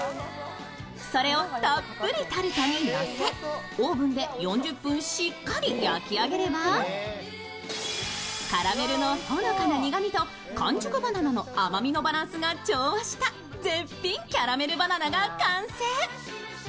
それをたっぷりタルトにのせ、オーブンで４０分しっかり焼き上げればカラメルのほのかな苦みと完熟バナナの甘みのバランスが調和した、絶品キャラメルバナナが完成